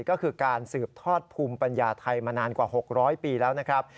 ก็คือการสืบทอดภูมิปัญญาไทยมานานกว่า๖๐๐ปีแล้วนะครับ